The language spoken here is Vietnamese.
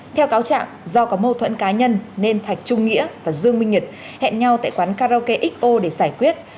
theo cáo trạng do có mâu thuẫn cá nhân nên thạch trung nghĩa và dương minh nhật hẹn nhau tại quán karaoke xo để giải quyết